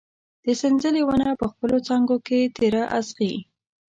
د سنځلې ونه په خپلو څانګو کې تېره اغزي